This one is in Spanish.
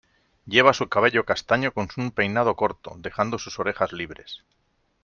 Lleva su cabello castaño con un peinado corto, dejando sus orejas libres.